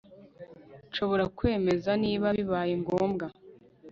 Nshobora kwemeza niba bibaye ngombwa